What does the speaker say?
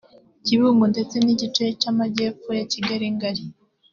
Kibungo ndetse n’igice cy’amajyepfo ya Kigali Ngali